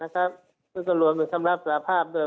ก็จะรวมเป็นคำรับสรภาพด้วย